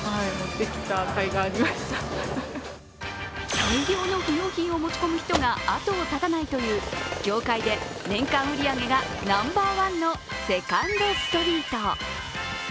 大量の不用品を持ち込む人が後を絶たないという業界で年間売り上げがナンバーワンのセカンドストリート。